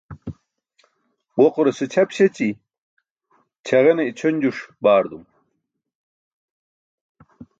Ġoqurase ćʰap śeći, ćʰagene ićʰonjuṣ baardum.